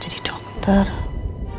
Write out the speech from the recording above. jadi dokter jadi dokter